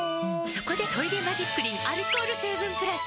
そこで「トイレマジックリン」アルコール成分プラス！